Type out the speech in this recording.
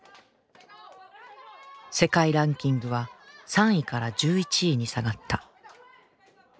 世界ランキングは３位から１１位に下がった。